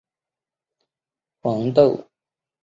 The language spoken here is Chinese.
长龙骨黄耆是豆科黄芪属的植物。